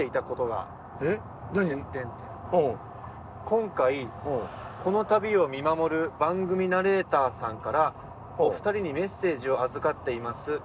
「今回この旅を見守る番組ナレーターさんからお二人にメッセージを預かっています」